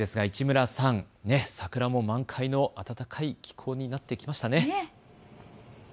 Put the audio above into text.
市村さん、桜も満開の暖かい気候になってきましたね。